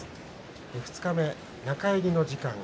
二日目、中入りの時間。